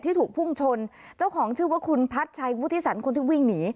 ถูกพุ่งชนเจ้าของชื่อว่าคุณพัชชัยวุฒิสันคนที่วิ่งหนี